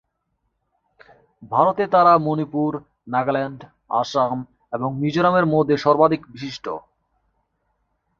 ভারতে তারা মণিপুর, নাগাল্যান্ড, আসাম এবং মিজোরামের মধ্যে সর্বাধিক বিশিষ্ট।